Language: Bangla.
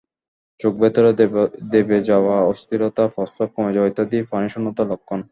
চোখ ভেতরে দেবে যাওয়া, অস্থিরতা, প্রস্রাব কমে যাওয়া ইত্যাদি পানিশূন্যতার লক্ষণ।